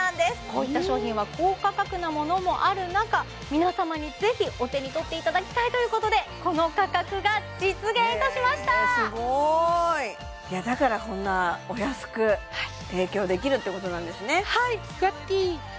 こういった商品は高価格なものもある中皆様にぜひお手にとっていただきたいということでこの価格が実現いたしましたへすごーいいやだからこんなお安く提供できるってことなんですね